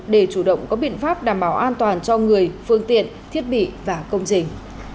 để chủ động có biện pháp đảm bảo an toàn cho người phương tiện thiết bị và công trình